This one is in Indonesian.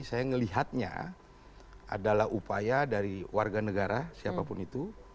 saya melihatnya adalah upaya dari warga negara siapapun itu